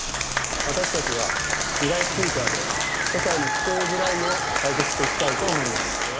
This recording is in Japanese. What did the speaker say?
私たちはミライスピーカーで世界の聴こえづらいを解決して行きたいと思います。